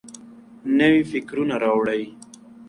نوي فکرونه راوړئ.